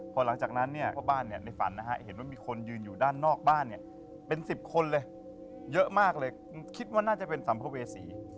พอหลังจากนั้นเนี่ยพ่อบ้านในฝันนะฮะเห็นว่ามีคนยืนอยู่ด้านนอกบ้านเป็น๑๐คนเลยเยอะมากเลยคิดว่าน่าจะเป็นสัมภเวษี